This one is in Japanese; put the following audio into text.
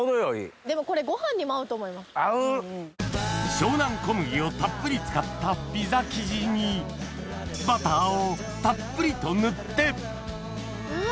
湘南小麦をたっぷり使ったピザ生地にバターをたっぷりと塗ってうわ。